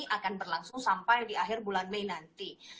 akan berlangsung sampai di akhir bulan mei nanti